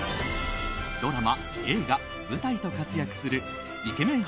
ドラマ、映画、舞台と活躍するイケメン